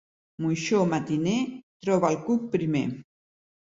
Moixó matiner, troba el cuc primer.